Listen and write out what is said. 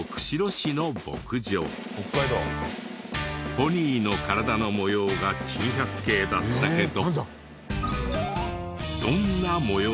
ポニーの体の模様が珍百景だったけど。